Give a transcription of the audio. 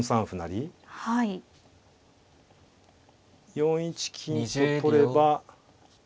４一金と取れば。